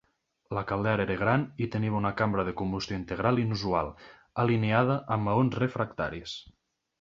La caldera era gran i tenia una cambra de combustió integral inusual, alineada amb maons refractaris.